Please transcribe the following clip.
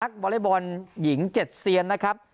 นักบอเล็กบอลหญิงเจ็ดเซียนนะครับ